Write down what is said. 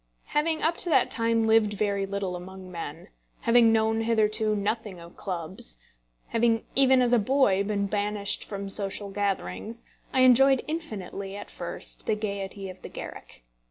Having up to that time lived very little among men, having known hitherto nothing of clubs, having even as a boy been banished from social gatherings, I enjoyed infinitely at first the gaiety of the Garrick.